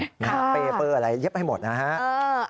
เปล่าอะไรเย็บให้หมดนะครับ